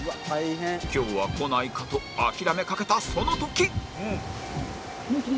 今日は来ないかと諦めかけたその時！